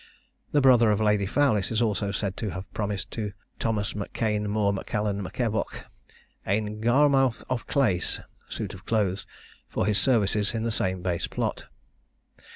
The brother of Lady Fowlis is also said to have promised to Thomas M'Kane More M'Allan M'Evoch 'ane garmounthe of clais' (suit of clothes) for his services in the same base plot.